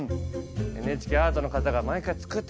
ＮＨＫアートの方が毎回作って。